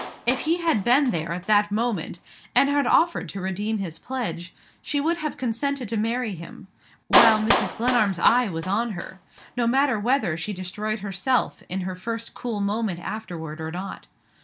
If he had been there, at that moment, and had offered to redeem his pledge, she would have consented to marry him, while Mrs. Glenarm s eye was on her no matter whether she destroyed herself in her first cool moment afterward or not.